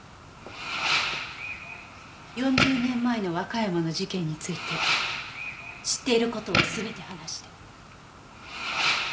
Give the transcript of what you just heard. ４０年前の和歌山の事件について知っている事を全て話して。